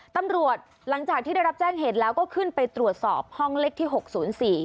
ตำรวจหลังจากที่ได้รับแจ้งเห็นแล้วก็ขึ้นไปตรวจสอบห้องเล็กที่๖๐๔